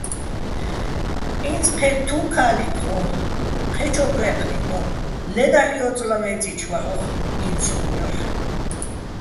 ინც ჴეთთუ́ ქა́ლიქ ღო, ჴე́ჩო̆ ქვეყნი ღო, ლე დაჰ̦ ჲო́წლა ვე́წიჩო̆ ვაჰ̦ოხ ი́ნცლუჼ ჲოჰ̦.